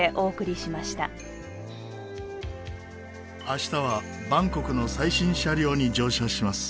明日はバンコクの最新車両に乗車します。